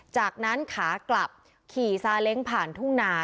จากนั้นขากลับขี่ซาเล้งผ่านทุ่งนา